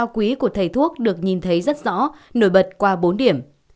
quý của thầy thuốc được nhìn thấy rất rõ nổi bật qua bốn điểm